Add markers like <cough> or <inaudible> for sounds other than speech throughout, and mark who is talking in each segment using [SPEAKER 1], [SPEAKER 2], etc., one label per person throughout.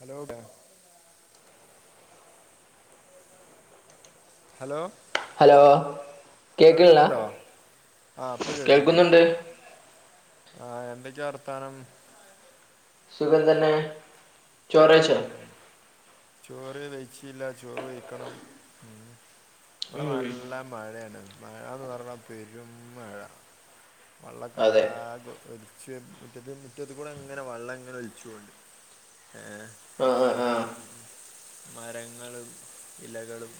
[SPEAKER 1] Hello ഡാ hello
[SPEAKER 2] hello കേക്കില്ല
[SPEAKER 1] കേൾക്കുന്നുണ്ടോ ആഹ് ഇപ്പൊ കേക്കുന്നുണ്ട്.
[SPEAKER 2] കേൾക്കുന്നുണ്ട്
[SPEAKER 1] ആഹ് എന്തൊക്കെ വർത്താനം
[SPEAKER 2] സുഖം തന്നെ ചോറയ്ച്ചോ
[SPEAKER 1] ചോറ് വെയ്ച്ചില്ല ചോറ് വെഴിക്കണം ഉം ഇവടെ
[SPEAKER 2] ഉം
[SPEAKER 1] നല്ല മഴേണ്. മഴാന്ന് പറ്ഞ്ഞ പെരും മഴ
[SPEAKER 2] അതെ
[SPEAKER 1] വള്ളക്കാക ഒല് ച്ചൊ മുറ്റത്ത് മുറ്റത്ത് കൂടെ ഇങ്ങനെ വള്ളം ഇങ്ങനെ ഒലിചോഒണ്ട്
[SPEAKER 2] ആഹ് ആഹ് ആഹ്
[SPEAKER 1] മരങ്ങളും ഇലകളും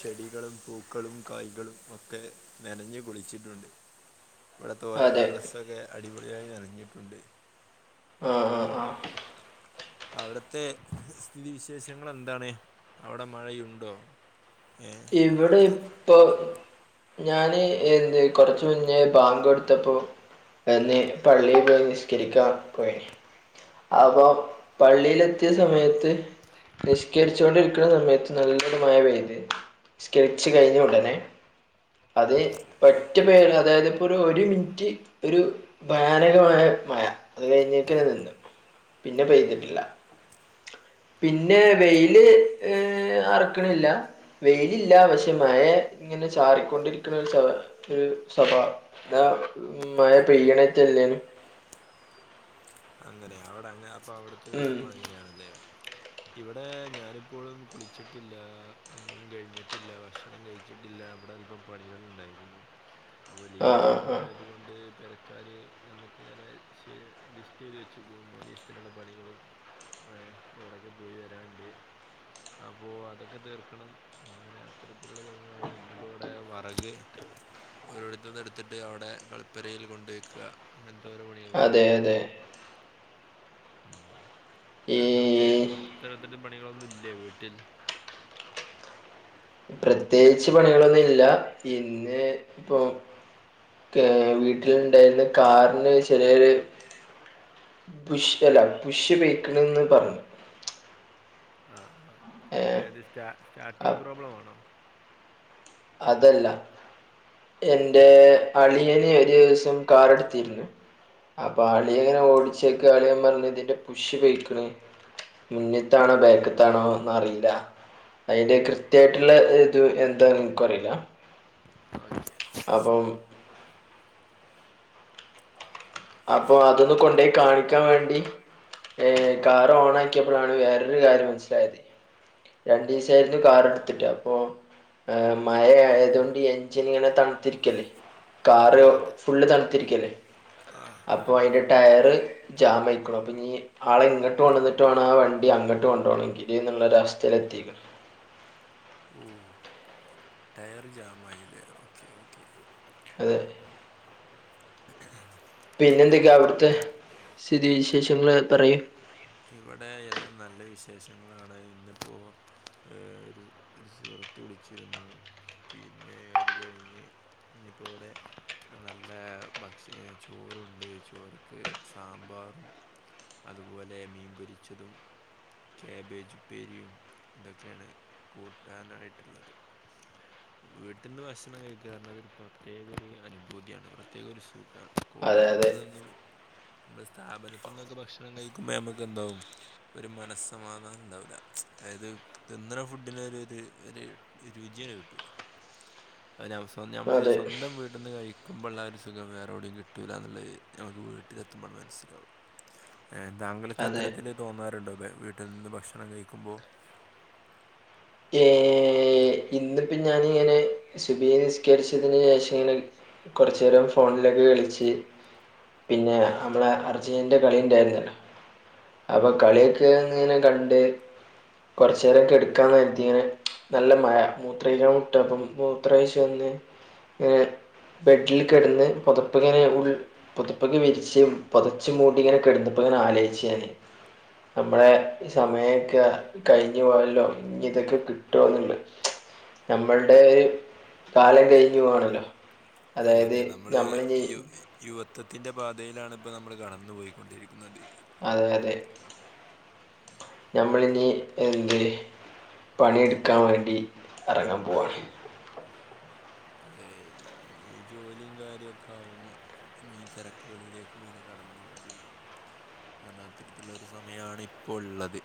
[SPEAKER 1] ചെടികളും പൂക്കളും കായ്കളും ഒക്കെ നനഞ്ഞു കുളിച്ചിട്ടുണ്ട് ഇവടെ തോരായിട്ട
[SPEAKER 2] അതെ
[SPEAKER 1] ഡ്രസ്സൊക്കെ അടിപൊളിയായി നനഞ്ഞിട്ടുണ്ട്
[SPEAKER 2] ആഹ് ആഹ് ആഹ്
[SPEAKER 1] അവിടത്തെ സ്ഥിതിവിശേഷങ്ങൾ എന്താണ് അവിടെ മഴയുണ്ടോ ഏ
[SPEAKER 2] ഇവിടെ ഇപ്പൊ, ഞാന് എന്ത് കൊറച്ച് മുന്നേ ബാങ്ക് എടുത്തപ്പോ, എന്നെ പള്ളി പോയി നിസ്കരിക്കാൻ പോയി. അപ്പോ പള്ളിയിലെത്തിയ സമയത്ത്, നിസ്കരിച്ചുകൊണ്ടിരിക്കണ സമയത്ത് നല്ലൊരു മഴ പെയ്ത്. നിസ്കരിച്ച് കഴിഞ്ഞ ഉടനെ, അത്
[SPEAKER 1] ഓക്കെ
[SPEAKER 2] <unintelligible> അതായത് ഇപ്പോൾ ഒരു മിനിറ്റ് ഒരു ഭയാനകമായ മഴ. അത് കഴിഞ്ഞേക്കല് നിന്ന്. പിന്നെ പെയ്തിട്ടില്ല. പിന്നെ വെയില് ഏഹ് അറക്കണില്ല. വെയിലില്ലാ പക്ഷെ മഴ ഇങ്ങനെ ചാറിക്കൊണ്ടിരിക്കുന്ന <unintelligible> ന്നാ മഴ പെയ്യണറ്റല്ലേ.
[SPEAKER 1] അങ്ങനെ അവിടെ അങ്ങ അപ്പൊ അവിടുത്തെ
[SPEAKER 2] ഉം
[SPEAKER 1] വിവരങ്ങൾ അങ്ങനെയാണല്ലേ. ഇവിടെ ഞാനിപ്പോഴും കുളിച്ചിട്ടില്ല. ഒന്നും കഴിഞ്ഞിട്ടില്ല. ഭക്ഷണം കഴിച്ചിട്ടില്ല. ഇവിടെ അല്പം പണികളുണ്ടായിരുന്നു. അപ്പോ
[SPEAKER 2] ആ
[SPEAKER 1] ലീവിന്
[SPEAKER 2] ആ ആ
[SPEAKER 1] വന്നതായതുകൊണ്ട്, പെരക്കാര് ഞമക്ക് അങ്ങനെ ചെ ലി സ്റ്റു ചെയ്തു വെച്ചേക്കും. മൂന്നീസത്തിനുള്ള പണികളും എ എവിടെയൊക്കെ പോയി വരാന്ണ്ട്. അപ്പോ അതൊക്കെ തീർക്കണം. അങ്ങനെ അത്തരത്തിലുള്ള പണികളാണ്. ഇന്നിപ്പോ ഇവിടെ വറക് <unintelligible> എടുത്തിട്ട് അവിടെ കളിപ്പരയിൽ കൊണ്ടോയി വെക്ക. അങ്ങനത്തെയൊരോ പണികളായിരുന്നു. അതെ അതെ ഉം
[SPEAKER 2] ഈ
[SPEAKER 1] താങ്കൾ ക്ക് ഇത്തരത്തില് പണികളൊന്നും ഇല്ലെ വീട്ടിൽ.
[SPEAKER 2] പ്രത്യേകിച്ച് പണികളൊന്നും ഇല്ല. പിന്നെ ഇപ്പൊ കേ വീട്ടിലുണ്ടായിരുന്ന കാറിന് ചെറിയൊര്, ബുഷല ബുഷ് വെയ്ക്കണന്ന് പറഞ്ഞു.
[SPEAKER 1] ആഹ് ആഹ.
[SPEAKER 2] ഏ
[SPEAKER 1] ആയത് സ്റ്റാ സ്റ്റാർട്ടിംഗ് പ്രോബ്ലമാണോ?
[SPEAKER 2] അതല്ല. എന്റെ അളിയനെ ഒരൂസം കാറെട്ത്തിര്ന്നു. അപ്പൊ അളിയങ്ങനെ ഓടിച്ചെയ്ക്ക്‌ അളിയൻ പറഞ്ഞ്, ഇതിന്റെ പുഷ് പൊയ്ക്ക്‌ണ്. മുന്നിത്താണോ ബേക്ക്‌ത്താണോ ന്നറീല്ല. അയിന്റെ കൃ ത്യായ്ട്ട്ള്ള ഒര്ത് എന്താന്ന് ൻക്കു അറീല. അപ്പം അപ്പൊ അതൊന്ന് കൊണ്ടോയി കാണിക്കാൻ വേണ്ടി. ഏ കാർ ഓണാക്കിയെപ്പളാണ് വേറൊരു കാര്യം മനസ്സിലായത്. രണ്ടീസായിര്ന്നു കാറ് ട്ത്ത്ട്ട്. അപ്പൊ ഏ മഴ ആയതോണ്ട് എഞ്ചിനിങ്ങനെ തണ്ത്തിരിക്കല്ലേ? Car full തണ്ത്തിരിക്കല്ലേ.
[SPEAKER 1] ആഹ്
[SPEAKER 2] അപ്പൊ അയ്ന്റെ ടയറ്, ജാമയ്ക്കുണു. അപ്പൊ ഇനി ആളെ ഇങ്ങോട്ട് കൊണ്ടുവന്നിട്ട് വേണം, ആ വണ്ടി അങ്ങോട്ട് കൊണ്ടപോവാണെങ്കിൽ. <unintelligible> തെ എത്തിയെകണ്.
[SPEAKER 1] മം ടയറ് ജാമായിലെ. Okay okay.
[SPEAKER 2] അതെ. പിന്നെ എന്തൊക്കെ അവിട്ത്തെ സ്ഥിതി വിശേഷങ്ങള് പറയൂ.
[SPEAKER 1] ഇവിടെ എല്ലാം നല്ല വിശേഷങ്ങളാണ്. ഇന്നിപ്പോ ഏ ഒരു ഒരു സുഹൃത്ത് വിളിച്ചിര്ന്നു. പിന്നെ അത് കഴിഞ്ഞ്, ഇഞ്പ്പൊ വടെ നല്ല ഭക്ഷ ചോറുണ്ട്. ചോറ്ക്ക്, സാമ്പാറും അതുപോലെ മീൻപൊരിച്ചതും, കാബേജുപ്പേരിയും ഇതൊക്കെയാണ് കൂട്ടാനായിട്ടുള്ളത്. വീട്ടിന്ന് ഭക്ഷണം കഴിക്കാറ്ഞ്ഞാല് അതൊരു പ്രത്യേക ഒരു അനുഭൂതിയാണ്. പ്രത്യേക ഒരു സുഖാണ്.
[SPEAKER 2] അതെ
[SPEAKER 1] കോളേജ്ന്ന്
[SPEAKER 2] അതെ
[SPEAKER 1] നിന്നും, നമ്മള് സ്ഥാപനത്തിന്നൊക്കെ ഭക്ഷണം കഴിക്കുമ്പോ നമ്മക്കെന്താവും. ഒരു മനസ്സമാധാനണ്ടാവൂല. അതായത് തിന്ന്ണ ഫുഡ്ന് ഒര് ര് ഒര്, രുചിയങ്‌ കിട്ടൂല. അ ഞമ്മള്
[SPEAKER 2] അതെ
[SPEAKER 1] സ്വന്തം വീ ട്ട്ന്ന് കഴിക്കുമ്പൊള്ളാ ആ ഒരു സുഖം, വേറെവ്ടിം കിട്ടൂല്ലാന്ന് ള്ളത് ഞമ്മക്ക്‌ വീട്ടിലെത്തുമ്പണ് മനസ്സിലാവും. താങ്കൾക്ക്
[SPEAKER 2] അതെ
[SPEAKER 1] അത്തരത്തിൽ തോന്നാറുണ്ടോ വീട്ടിൽ നിന്ന് ഭക്ഷണം കഴിക്കുമ്പോ
[SPEAKER 2] ഏ ഇന്നിപ്പം ഞാനിങ്ങനെ സുബ്ഹ് നിസ്കരിച്ചതിന് ശേഷം ഇങ്ങനെ കൊർച്ചേരം ഫോണിലൊക്കെ കളിച്ച് പിന്നെ നമ്മളെ അർജീനന്റെ കളി ഉണ്ടായിരുന്നല്ലോ അപ്പൊ കളിയൊക്കെങ്ങനെ കണ്ട് കൊർച്ചേരം കെട്ക്കാന്നേരത്ത് ങ്ങനെ നല്ല മഴ മൂത്രെയ്ക്കാമുട്ട് അപ്പം മൂത്രൊയ്ച്ച് വന്ന് ബെഡിൽ കെട്ന്ന് പൊത്പ്പ്ങ്ങനെ ഉൾ പൊതപ്പൊക്കെ വിരിച്ച് പൊതച്ച് മൂടിഇങ്ങനെ കെട്ന്നപ്പൊങ്ങനെ ആ ലൊയ്ച്ച് ഞാന് നമ്മളെ ഈ സമയമൊക്കെ കഴിഞ്ഞഞ് പോയല്ലോ ഇതൊക്കെ കിട്ടോന്നണ്ട് നമ്മൾടെ ഒരു കാലം കയ്ഞ്ഞ് പോവാണല്ലോ
[SPEAKER 1] അതെ അതെ നമ്മള് യു യുവ ത്വത്തിന്റെ പാതയിലാണ് ഇപ്പൊ നമ്മള് കടന്നു പോയിക്കൊണ്ടിരിക്കുന്നത്
[SPEAKER 2] അതെ അതെ നമ്മളിനി എന്ത്‌ര് പണിയെടുക്കാൻ വേണ്ടി ഇറങ്ങാൻ പോവാണ്
[SPEAKER 1] അതെ ഈ ജോലിം കാര്യൊക്കെ ആവ്മ്പ ഞ്ഞി തെരെക്ക്‌കളിലേക്ക്‌ങ്ങനെ കടന്നൊണ്ടിരിക്കും അത്തരത്തിലുള്ള ഒരു സമയാണ് ഇപ്പൊള്ളത്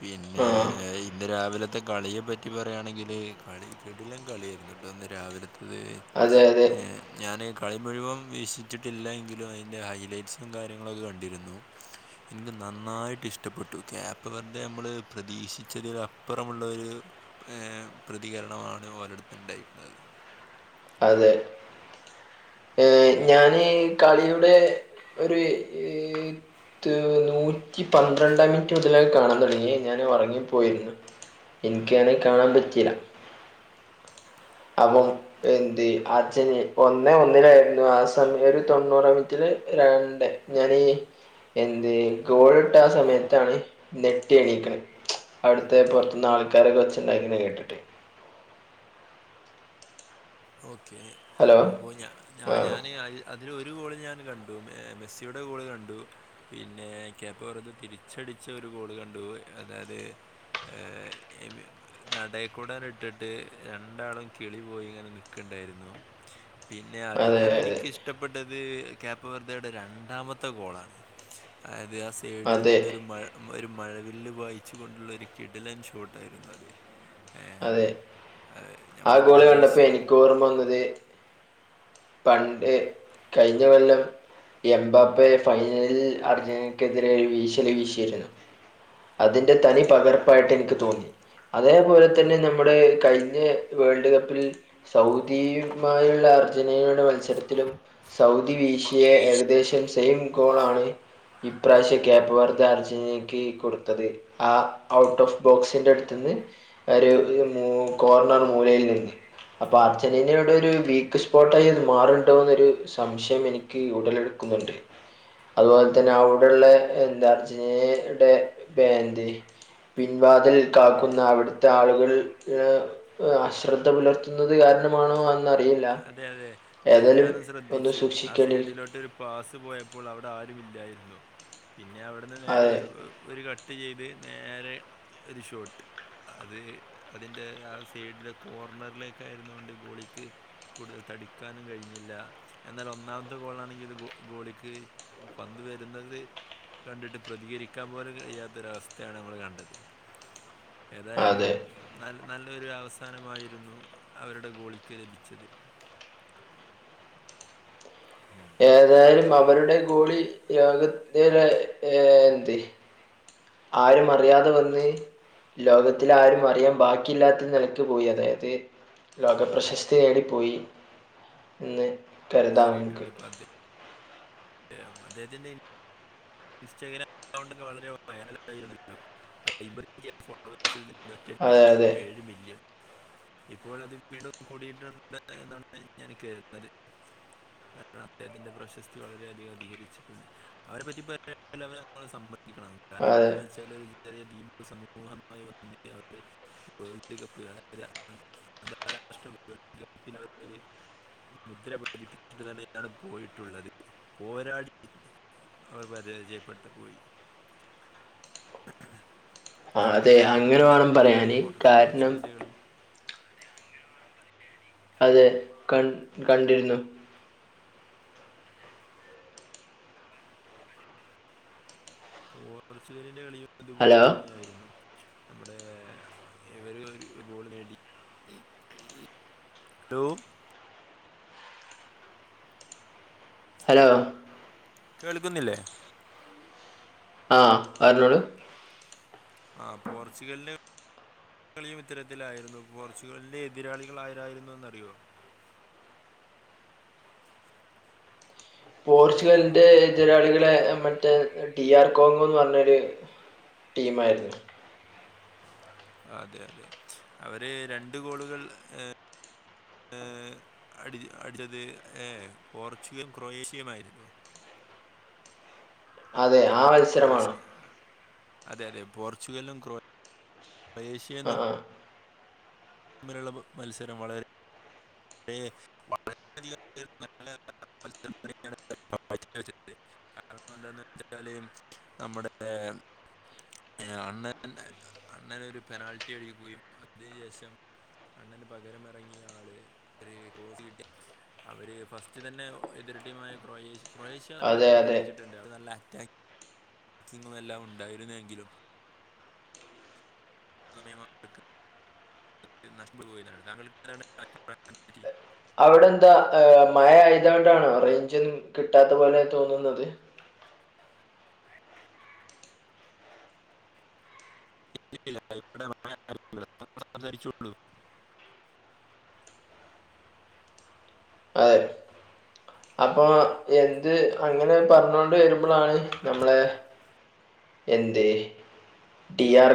[SPEAKER 1] പിന്നെ
[SPEAKER 2] ആ
[SPEAKER 1] ഇന്ന് രാവിലത്തെ കളിയെപ്പറ്റി പറയാണെങ്കില് കളി കിടിലൻ കളിയ്നു ഇന്ന് രാവിലത്തത്
[SPEAKER 2] അതെ അതെ
[SPEAKER 1] ഞാന് കളി മുഴുവൻ വീക്ഷിച്ചിട്ടില്ല എങ്കിലും അയ്ന്റെ ഹൈലൈറ്റ്സും കാര്യങ്ങളൊക്കെ കണ്ടിരുന്നു ൻക്ക്‌ നന്നായിട്ട് ഇഷ്ടപ്പെട്ടു <unintelligible> വെറുതെ നമ്മള് പ്രതീക്ഷിച്ചതിൽ അപ്പുറമുള്ളൊര് ഏ പ്രതികരണമാണ് ഓലട്ത്ത് ണ്ടായിര്ന്ന
[SPEAKER 2] അതെ ഏ ഞാനീ കളിയുടെ ഒരി നൂറ്റിപന്ത്രണ്ടാം മിനിറ്റു മുതല്കാണാൻ തുടങ്ങി ഞാൻ ഉറങ്ങിപ്പോയി എനിക്കതു കാണാൻ പറ്റിയില്ല അപ്പം എന്തുചെയ്യും അർജന് ഒന്നേ ഒന്നേനായിരുന്നു ആ സമയം ഒരു തൊണ്ണൂറാംമിനിറ്റില് രണ്ട് ഞാനിനിയെന്തു ചെയ്യും ഗോളിട്ടയാ സമയത്താണ് ഞെട്ടിയെണീക്കണേ അവിടുത്തെ പുറത്തു നിന്നാൾക്കാരൊക്കെ വെച്ചിട്ടുണ്ടാക്കീന്ന്കേട്ടിട്ട്
[SPEAKER 1] ഓക്കേ
[SPEAKER 2] ഹലോ
[SPEAKER 1] അപ്പോ
[SPEAKER 2] ആ
[SPEAKER 1] ഞങ്ങഞാനെ ഞാന് അതിലൊരു ഗോളു ഞാനും കണ്ടു മെമെസ്സിയുടെ ഗോള്കണ്ടു പിന്നെ കേപ്പവർധ തിരിച്ചടിച്ചയൊരു ഗോളു കണ്ടു അതായത് ഏ നടയക്കൂടാനിട്ടിട്ട് രണ്ടാളും കിളിപോയിങ്ങനെ നി കണ്ടായിരുന്നു പിന്നെ
[SPEAKER 2] അതെ അതെ
[SPEAKER 1] അതിലേറെയെനിക്കിഷ് ഇഷ്ടപ്പെട്ടത് കേപ്പവർധയുടെ രണ്ടാമത്തെ ഗോളാണ് അതായത് അസ് എവിടെയോ
[SPEAKER 2] അതെ
[SPEAKER 1] നിന്നൊരു മഴ ഒരുമഴവില്ലുപായിച്ചുകൊണ്ടുള്ള ഒരു കിടിലൻ ഷോട്ടായിരുന്നു അത് ഏഹ്
[SPEAKER 2] അതെ
[SPEAKER 1] അത് നമ്മൾ
[SPEAKER 2] ആഗോളു
[SPEAKER 1] പ്രതീക്ഷി
[SPEAKER 2] കണ്ടപ്പോയെനിക്കുഓർമ്മ വന്നത് പണ്ട് കഴിഞ്ഞകൊല്ലം എംബാപ്പെ ഫൈനലിൽ അർജന്റീനക്കെതിരെയൊരു വീശുവീശിയിരുന്നു അതിന്റെതനി പകർപ്പായിട്ടെനിക്കുതോന്നി അതേപോലെ തന്നെ നമ്മുടെ കഴിഞ്ഞേ വേൾഡുകപ്പിൽസൗദിയുമായുള്ള അർജന്റീനയുടെ മത്സ ഒരിക്കലും സൗദി വീശിയഏകദേശം സെയിം ഗോളാണ് ഇപ്രാവശ്യം വേൾഡുകപ്പർജന്റീനക്കു കൊടുത്തത് ആ ഔട്ട്ഓഫ് ബോക്സിന്റെ അടുത്തു നിന്ന് ഒരു മുക്കോർണർ മൂലയിൽ നിന്ന് അപ്പൊ അർജന്റീനയുടെ ഒരു വീക്ക്സ്പോട്ടായിരുന്നു മാറുണ്ടോയെന്നൊരു സംശയമെനിക്കുടലെടുക്കുന്നുണ്ട് അതുപോലെ തന്നെ അവിടെയുള്ളെ എന്തായർജന്റീനയുടെഫാന്റി പിൻവാതിലിൽകാക്കുന്ന അവിടു ആളുകള് ഏഹ് അശ്രദ്ധ പുലർത്തുന്നത് കാരണമാണോ അഹ്
[SPEAKER 1] അതെയതെ അതുഞാനും
[SPEAKER 2] ഒന്ന്
[SPEAKER 1] ശ്രദ്ധിച്ചു. ആ
[SPEAKER 2] സൂക്ഷിക്കേണ്ടി
[SPEAKER 1] സൈഡിലോട്ട് പാസുപോയപ്പോളവിടെ ആരുമില്ലായിരുന്നു. പിന്നെയവിടുന്ന് നേരെ
[SPEAKER 2] അതെ
[SPEAKER 1] ഒ ഒരു ട്ട്ചെയ്ത് നേരെ ഒരു ഷോട്ട് അത്, അതിൻ്റെ ആ സൈഡിലെ കോർണറിലേക്കായിരുന്നകൊണ്ട് ഗോളിക്ക് കൂടുതൽ തടുക്കാനും കഴിഞ്ഞില്ല. ചുറ്റും നല്ലയൊന്നാമത്തെ ഗോളാണെങ്കിലിത് ഗോഗോളിക്ക് പന്തുവരുന്നത് കണ്ടിട്ട് പ്രതികരിക്കാൻ പോലും കഴിയാത്തൊരവസ്ഥയാണ് നമ്മള്കണ്ടത്.
[SPEAKER 2] അതെ
[SPEAKER 1] ഏതായാലുംനല് നല്ലൊയൊരു അവസാനമായിരുന്നു, അവരുടെ ഗോളിക്കു ലഭിച്ചത്. ഉം
[SPEAKER 2] ഏതായാലും അവരുടെ ഗോളിലോകത്തിലെ ഏഹ് എന്ത് ആരുമറിയാതെ വന്ന് ലോകത്തിലാരും അറിയാൻ ബാക്കിയില്ലാത്ത നിലക്ക് പോയി, അതായത് ലോകപ്രശസ്തി നേടിപ്പോയി എന്നുകരുതാം.
[SPEAKER 1] മാറിയിട്ടുണ്ട് ഇപ്പൊ <unintelligible> ഇൻസ്റ്റാഗ്രാംഅക്കൗണ്ടി ഒക്കെ വളരെവൈറൽ ആരുന്നല്ലോ ലൈബ ഫോേഴ്
[SPEAKER 2] അതെ
[SPEAKER 1] നൂറ്റിയെട്ടില്
[SPEAKER 2] അതെ
[SPEAKER 1] ഏഴു മില്യൺ ഇപ്പോളത് വീണ്ടും കൂടിയിട്ടുണ്ടെന്നാണ് ഞാൻ കരുതിയത് കാരണം അദ്ദേഹത്തിന്റെ പ്രശസ്തി വളരെയധികം അധികരിച്ചിട്ടുണ്ട്, അവരെ പറ്റിപ ടെൻഇലവണേ നമ്മളുസമ്മതിക്കണം കാരണം
[SPEAKER 2] അതെ
[SPEAKER 1] എന്തെന്നുവെച്ചാല് ചെറിയദ്വീപ് സമൂഹമായി <unintelligible> <unintelligible> മുദ്ര പതിപ്പിച്ചിട്ട് തന്നെയാണ് പോയിട്ടുള്ളത് പോരാടി അവർ രിചയപ്പെട്ടു പോയി
[SPEAKER 2] ആ അതെ
[SPEAKER 1] താങ്കൾ
[SPEAKER 2] അങ്ങനെ
[SPEAKER 1] ഇതിന്നത്തെ
[SPEAKER 2] വേണം
[SPEAKER 1] കളിരുന്നു
[SPEAKER 2] പറയാന് കാരണം
[SPEAKER 1] പോർച്ചുഗലിന്റെ കളി
[SPEAKER 2] അതെ കാൻ കണ്ടിരുന്നു
[SPEAKER 1] അതെ പോർച്ചുഗലിന്റെ കളിയും അതുപോലെ
[SPEAKER 2] ഹലോ
[SPEAKER 1] തന്നെയ ആയിരുന്നു നമ്മുടെ ഇവര് ഒരു ഗോൾ നേടി ഹലോ
[SPEAKER 2] ഹലോ
[SPEAKER 1] കേൾക്കുന്നില്ലേ
[SPEAKER 2] ആ പറഞ്ഞോളൂ
[SPEAKER 1] ആഹ് പോർച്ചുഗലിന് ളിയും ഇത്തരത്തിലായിരുന്നു പോർച്ചുഗലിന്റെ എതിരാളികൾ ആരായിരുന്നു എന്നറിയോ
[SPEAKER 2] പോർച്ചുഗലിന്റെ എതിരാളികളെ മറ്റേ ഡി ആർ കോങ്ങ എന്ന് പറഞ്ഞൊരു ടീംആയിരുന്നു
[SPEAKER 1] അതെതെ അവര് രണ്ട് ഗോളുകൾ ഏഹ് ഏഹ് അടിച്ചത് ഏഹ് പോർച്ചുഗം ക്രൊയേഷ്യയയും ആയില്ലേ
[SPEAKER 2] അതെ ആ മത്സരമാണോ
[SPEAKER 1] കൊറഷ്യ അതെതെ പോർച്ചുഗലും ക്രൊയെഷ്യ
[SPEAKER 2] ആ
[SPEAKER 1] തമ്മിൽ
[SPEAKER 2] ആ
[SPEAKER 1] തമ്മിലുള്ള മത്സരം വള വളരെയധികം <unintelligible> കാരണം എന്താന്ന് വെച്ചാല് നമ്മുടെ അണ്ണൻ അണ്ണന ഒരു പെനാൽറ്റി അടിക്കുകയും അതിന് ശേഷം അണ്ണന് പകരമിറങ്ങിയ ആള് ഒരു ക്രോസ് കിട്ടിയ അവര് ഫസ്റ്റ് തന്നെ എതിർ ടീമായ ക്രൊയേഷ്യ ക്രൊയേഷ്യ നല്ല
[SPEAKER 2] അതെ
[SPEAKER 1] നിലക്ക്
[SPEAKER 2] അതെ
[SPEAKER 1] കളിച്ചിട്ടുണ്ട് അത് നല്ല അറ്റാക്കിങ്ങും എല്ലാം ഉണ്ടായിരുന്നെങ്കിലും <unintelligible> <unintelligible>
[SPEAKER 2] അവിടെ എന്താ മഴ ആയതോണ്ടാണോ റേഞ്ചുന്നും കിട്ടാത്ത പോലെ തോന്നുന്നത്
[SPEAKER 1] <unintelligible> <unintelligible>
[SPEAKER 2] അതെ അപ്പൊ എന്ത് അങ്ങനെ പറഞ്ഞോണ്ട് വരുമ്പോളാണ് നമ്മളെ എന്ത് ഡി ആർ